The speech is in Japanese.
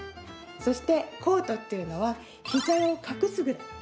そして、コートっていうのは膝を隠すくらい。